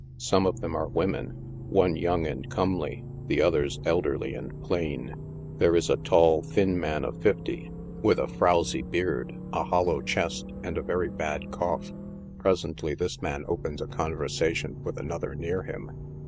Some of them are women — one young and comely, the others elderly and plain. There is a tall, thin man of fifty, with a frowsy beard, THE MEDIUMS. 89 a hollow chest and a very bad cough. Presently this man opens a conversation with another near him.